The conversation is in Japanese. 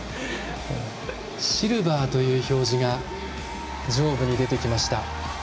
シルバーという表示が上部に出てきました。